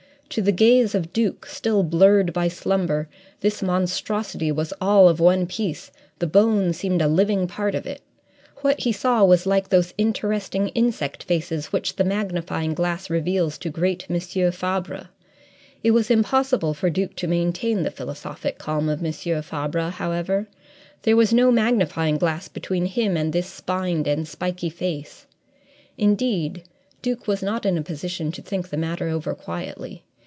To the gaze of Duke, still blurred by slumber, this monstrosity was all of one piece the bone seemed a living part of it. What he saw was like those interesting insect faces which the magnifying glass reveals to great M. Fabre. It was impossible for Duke to maintain the philosophic calm of M. Fabre, however; there was no magnifying glass between him and this spined and spiky face. Indeed, Duke was not in a position to think the matter over quietly.